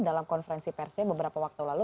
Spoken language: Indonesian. dalam konferensi persnya beberapa waktu lalu